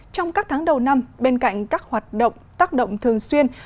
trong các tháng đầu năm bên cạnh các hoạt động tác động thường xuyên